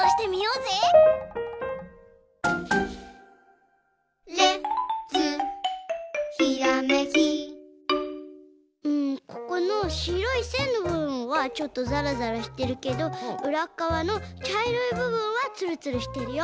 うんここのしろいせんのぶぶんはちょっとザラザラしてるけどうらっかわのちゃいろいぶぶんはツルツルしてるよ。